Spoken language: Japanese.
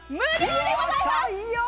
いいよ！